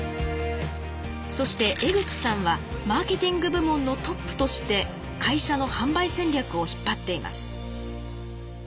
そして江口さんはマーケティング部門のトップとして会社の販売戦略を引っ張っています。